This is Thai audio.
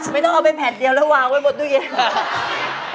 ไม่ต้องเอาไปแผ่นเดียวแล้ววางไว้บนตู้เย็นอ่ะ